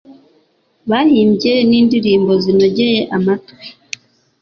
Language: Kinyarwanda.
bahimbye n'indirimbo zinogeye amatwi